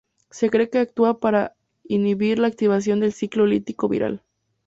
Se cree que actúan para inhibir la activación del ciclo lítico viral.